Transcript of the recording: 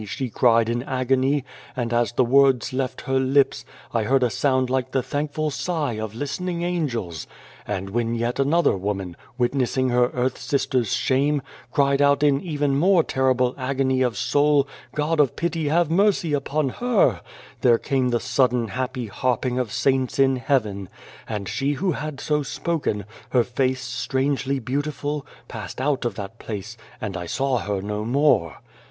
' she cried in agony, and, as the words left her lips, I heard a sound like the thankful sigh of listen ing angels. And when yet another woman, witnessing her earth sister's shame, cried out in even more terrible agony of soul, 'God of Pity, have mercy upon her /' there came the sudden happy harping of saints in Heaven ; and she who had so spoken, her face strangely beautiful, passed out of that place, and I saw her no more.